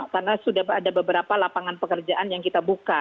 karena sudah ada beberapa lapangan pekerjaan yang kita buka